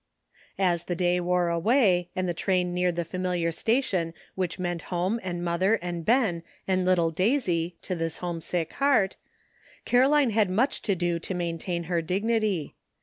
As the day wore away, and the train neared the familiar station which meant home and mother and Ben and little Daisy to this home sick heart, Caroline had much to do to maintain her dignity.